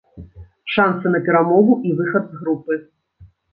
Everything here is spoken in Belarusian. Шансы на перамогу і выхад з групы.